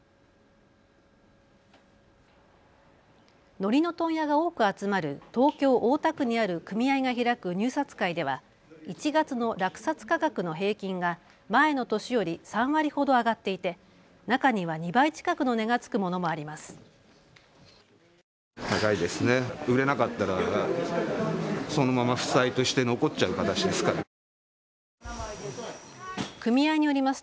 のりの問屋が多く集まる東京大田区にある組合が開く入札会では１月の落札価格の平均が前の年より３割ほど上がっていて中には２倍近くの値がつくものもあります。